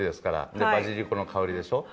でバジリコの香りでしょ。